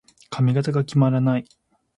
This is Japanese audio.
髪型が決まらない。